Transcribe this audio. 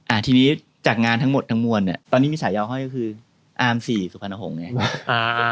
อ่าทีนี้จากงานทั้งหมดทั้งมวลเนี่ยตอนนี้มีฉายาห้อยก็คืออาร์มสี่สุพรรณหงษ์เนี่ยอ่า